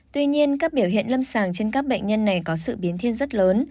tuy nhiên các biểu hiện lâm sàng trên các bệnh nhân này có sự biến thiên rất lớn